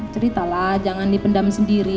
ceritalah jangan dipendam sendiri